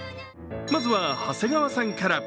まずは長谷川さんから。